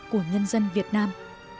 của nhân dân việt nam